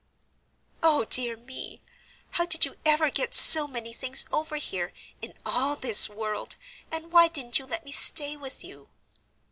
"O dear me! How did you ever get so many things over here, in all this world, and why didn't you let me stay with you?"